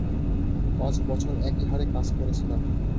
পাঁচ বছর একই হারে কাজ করেছিলাম।